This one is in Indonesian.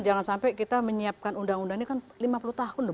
jangan sampai kita menyiapkan undang undang ini kan lima puluh tahun loh